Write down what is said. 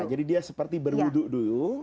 jadi dia seperti berwuduk dulu